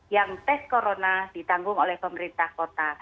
yang tes corona ditanggung oleh pemerintah kota